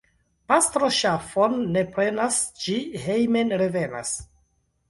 Pastro ŝafon ne prenas, ĝi hejmen revenas.